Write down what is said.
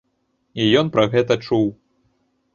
І ён пра гэта чуў.